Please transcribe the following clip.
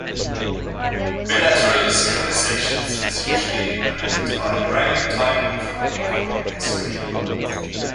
Bilateral synchronization is usually implemented by deriving the timing from the incoming bitstream.